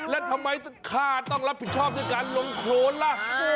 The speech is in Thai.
แล้วทำไมข้าต้องรับผิดชอบด้วยการลงโครนล่ะ